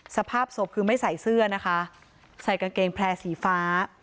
สภาพศพคือไม่ใส่เสื้อนะคะใส่กางเกงแพร่สีฟ้า